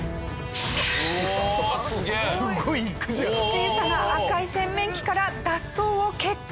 小さな赤い洗面器から脱走を決行！